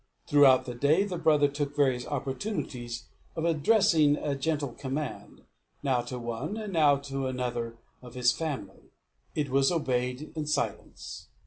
Throughout the day, the brother took various opportunities of addressing a gentle command, now to one and now to another of his family. It was obeyed in silence.